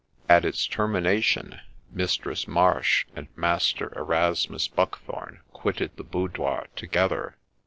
At its termination, Mistress Marsh and Master Erasmus Buckthome quitted the boudoir together.